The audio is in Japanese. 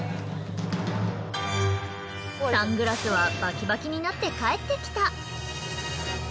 サングラスはバキバキになって返ってきた。